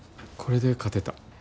これで勝てた。